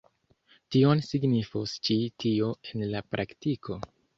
Kion signifos ĉi tio en la praktiko?